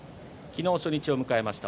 昨日、初日を迎えました